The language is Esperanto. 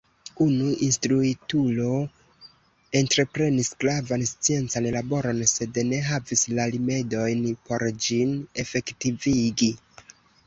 Unu instruitulo entreprenis gravan sciencan laboron, sed ne havis la rimedojn por ĝin efektivigi.